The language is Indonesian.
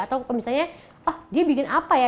atau misalnya ah dia bikin apa ya